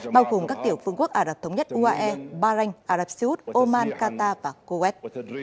bao gồm các tiểu phương quốc ả rập thống nhất uae bahranh ả rập xê út oman qatar và kuwait